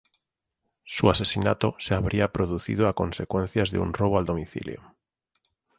Su asesinato se habría producido a consecuencias de un robo al domicilio.